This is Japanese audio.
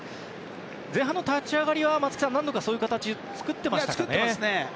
前半の立ち上がりは何度かそういう形を作っていますね。